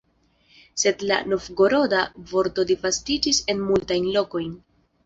Sed la novgoroda vorto disvastiĝis en multajn lokojn.